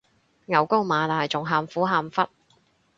牛高馬大仲喊苦喊忽